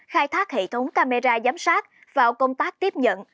khai thác hệ thống camera giám sát vào công tác tiếp nhận